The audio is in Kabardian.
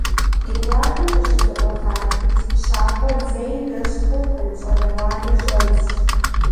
Ди къуажэм къыщызэӏуаха тхылъ щапӏэр зэи нэщӏ хъуркъым, щӏалэгъуалэр щӏэзщ.